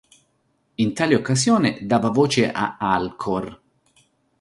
In tale occasione, dava voce a Alcor.